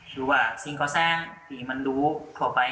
คือว่าสิ่งก่อสร้างที่มันรู้ทั่วไป